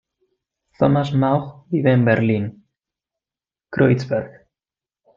Thomas Mauch vive en Berlín-Kreuzberg.